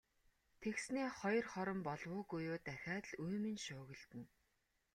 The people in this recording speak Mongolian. Тэгснээ хоёр хором болов уу, үгүй юу дахиад л үймэн шуугилдана.